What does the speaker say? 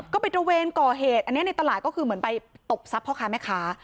ก็ไปตระเวนก่อเหตุอันนี้ในตลาดก็คือเหมือนไปตบซับพ่อขาไหมคะ